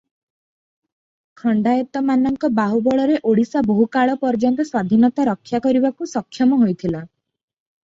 ଖଣ୍ତାଏତମାନଙ୍କ ବାହୁବଳରେ ଓଡ଼ିଶା ବହୁ କାଳପର୍ଯ୍ୟନ୍ତ ସ୍ୱାଧୀନତା ରକ୍ଷା କରିବାକୁ ସକ୍ଷମ ହୋଇଥିଲା ।